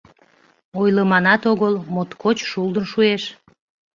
Ойлыманат огыл, моткоч «шулдын» шуэш.